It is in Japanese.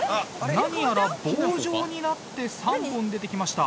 何やら棒状になって３本出てきました。